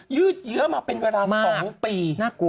ยืดเยื้อมาเป็นเวลา๒ปี